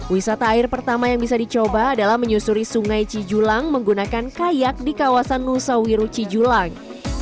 wisata air pertama yang bisa dicoba adalah menyusuri sungai cijulang menggunakan kayak di kawasan nusa wiru cijulang